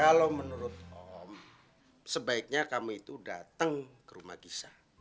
kalau menurut om sebaiknya kami itu datang ke rumah gisa